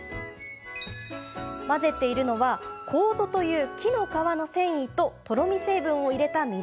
混ぜているのは楮という木の皮の繊維ととろみ成分を入れた水。